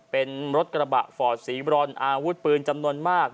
เป็นรถกระบะฟอร์ดสีบรอนอาวุธปืนจำนวนมาก